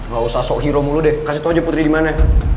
gak usah sok hero mulu deh kasih tau aja putri dimana